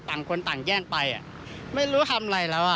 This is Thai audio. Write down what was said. ต่างคนต่างแย่งไปไม่รู้ทำอะไรแล้วอ่ะ